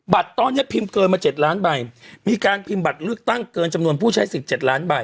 ตอนเนี้ยพิมพ์เกินมา๗ล้านใบมีการพิมพ์บัตรเลือกตั้งเกินจำนวนผู้ใช้สิทธิ์๗ล้านใบ